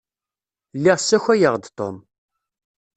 Lliɣ ssakayeɣ-d Tom.